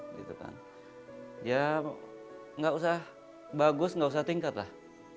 ya gak usah bagus gak usah tingkat lah